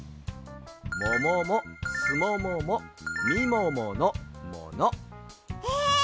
もももすもももみもものもの。え！